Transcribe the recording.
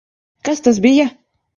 Kas tas bija?